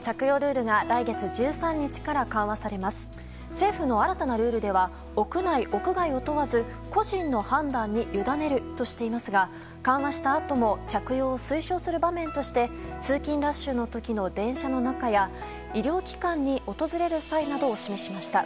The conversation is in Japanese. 政府の新たなルールでは屋内・屋外を問わず個人の判断に委ねるとしていますが緩和したあとも着用を推奨する場面として通勤ラッシュの時の電車の中や医療機関に訪れる際などを示しました。